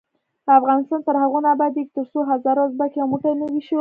افغانستان تر هغو نه ابادیږي، ترڅو هزاره او ازبک یو موټی نه وي شوي.